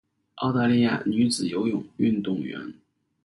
澳大利亚女子游泳运动员。